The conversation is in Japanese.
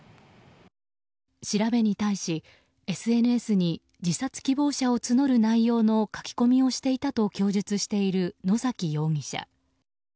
調べに対し、ＳＮＳに自殺希望者を募る内容の書き込みをしていたと供述している野崎容疑者。